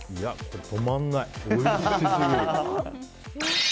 止まんない、おいしすぎる。